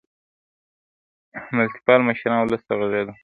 ملتپال مشران ولس ته غږېدل.